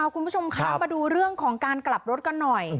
คุณผู้ชมคะมาดูเรื่องของการกลับรถกันหน่อย